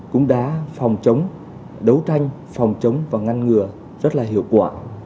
cũng đã phòng chống đấu tranh phòng chống và ngăn ngừa rất là hiệu quả